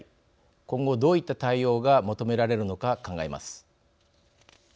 今後どういった対応が求められるのか考えます。